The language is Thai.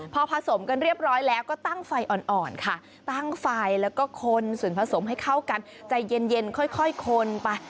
พอผสมกันเรียบร้อยแล้วก็ตั้งไฟอ่อนค่ะตั้งไฟแล้วก็คนส่วนผสมให้เข้ากันใจเย็นค่อยคนไป